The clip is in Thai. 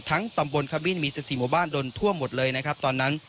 ตำบลขมิ้นมี๑๔หมู่บ้านโดนท่วมหมดเลยนะครับตอนนั้น